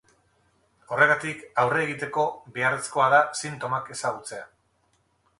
Horregatik, aurre egiteko, beharrezkoa da sintomak ezagutzea.